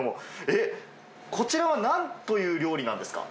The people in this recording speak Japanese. えっ、こちらはなんという料理なんですか？